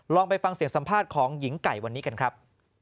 ไปฟังเสียงสัมภาษณ์ของหญิงไก่วันนี้กันครับ